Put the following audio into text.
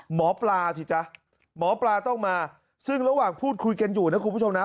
หมอปลาสิจ๊ะหมอปลาต้องมาซึ่งระหว่างพูดคุยกันอยู่นะคุณผู้ชมนะ